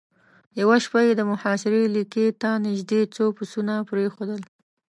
يوه شپه يې د محاصرې ليکې ته نېزدې څو پسونه پرېښودل.